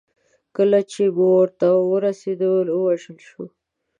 کله چې موته ته ورسېد ووژل شو.